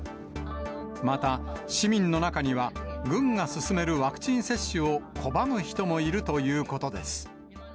また、市民の中には、軍が進めるワクチン接種を拒む人もいるということです。